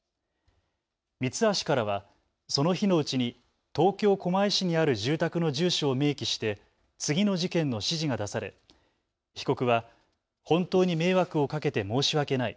ミツハシからはその日のうちに東京狛江市にある住宅の住所を明記して次の事件の指示が出され被告は本当に迷惑をかけて申し訳ない。